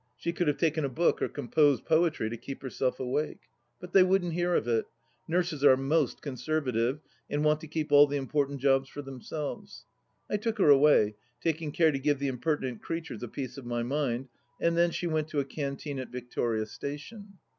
She could have taken a book oi composed poetry to keep herself awake. But they wouldn't hear of it. Nurses are most conservative, and want to keep all the important jobs for themselves. I took her away, taking care to give the impertinent creatures a piece of my mind, and then she went to a canteen at Victoria Station.